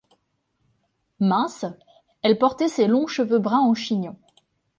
Mince, elle portait ses longs cheveux bruns en chignon.